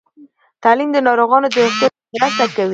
تعلیم د ناروغانو د روغتیا سره مرسته کوي.